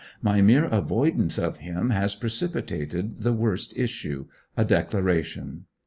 My mere avoidance of him has precipitated the worst issue a declaration.